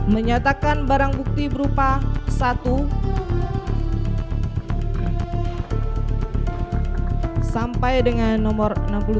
menyatakan barang bukti berupa satu sampai dengan nomor enam puluh dua